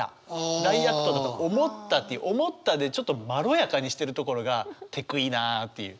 大悪党だと思った」っていう「思った」でちょっとまろやかにしてるところがテクいなあっていう。